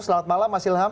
selamat malam mas ilham